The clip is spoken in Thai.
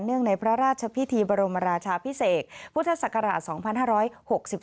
ในพระราชพิธีบรมราชาพิเศษพุทธศักราช๒๕๖๒